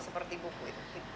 atau seperti buku itu